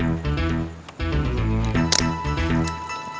aku udah kenal